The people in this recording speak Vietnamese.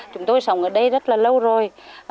chúng tôi sống ở đây rất là lâu rồi